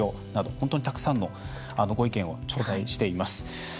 本当にたくさんのご意見を頂戴しています。